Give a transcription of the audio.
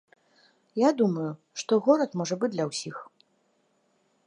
Я думаю, што горад можа быць для ўсіх.